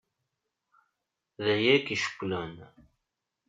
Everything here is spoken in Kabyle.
D aya i k-icewwlen?